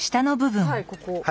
はいここ。